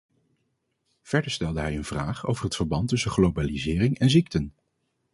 Verder stelde hij een vraag over het verband tussen globalisering en ziekten.